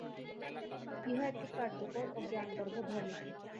ইহা একটি কার্যকর ও জ্ঞানগর্ভ ধর্ম।